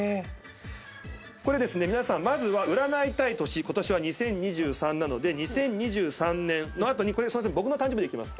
これ皆さんまずは占いたい年ことしは２０２３なので２０２３年の後にすいません。